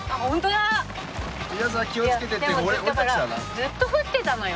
だからずっと降ってたのよ。